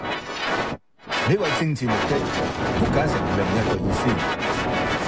你為政治目的曲解成另一個意思